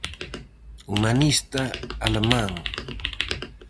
Humanista alemán.